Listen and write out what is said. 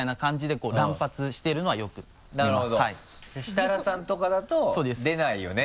設楽さんとかだと出ないよね